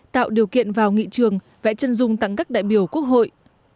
tạo điều kiện vào nghị trường vẽ chân dung tặng các đại biểu quốc hội